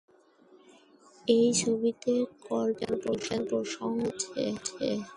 এই ছবিতে কল্পবিজ্ঞান প্রসঙ্গ রয়েছে।